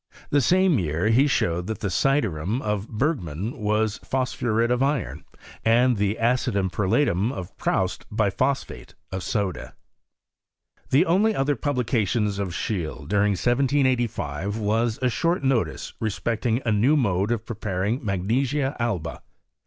The same year he showed that the syderum of Bergman was phosphuret of iron, and the acidum perlatum of Proust biphosphate of soda. The only other publication of Scheele, during 1785, was a short notice respecting a new mode of preparing magnesia alba.